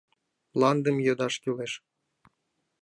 — Мландым йодаш кӱлеш!